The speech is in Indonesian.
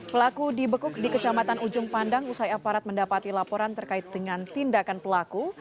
pelaku dibekuk di kecamatan ujung pandang usai aparat mendapati laporan terkait dengan tindakan pelaku